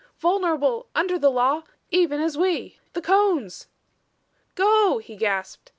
"Vulnerable under the law even as we! The Cones! "Go!" he gasped.